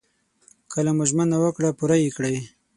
کله مو ژمنه وکړه پوره يې کړئ.